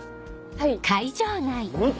はい。